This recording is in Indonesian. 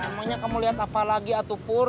emangnya kamu liat apa lagi atu pur